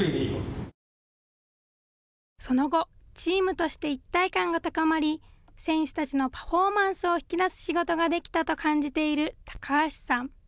その後、チームとして一体感が高まり、選手たちのパフォーマンスを引き出す仕事ができたと感じている高橋さん。